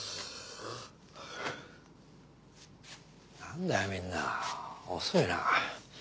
なんだよみんな遅いな。